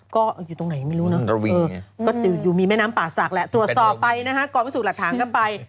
ก็อยู่ตรงไหนไม่รู้เนอะก็อยู่มีแม่น้ำป่าศักดิ์แหละตรวจสอบไปนะฮะกองพิสูจน์หลักฐานก็ไป